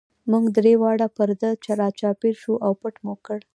موږ درې واړه پر ده را چاپېر شو او پټ مو کړ.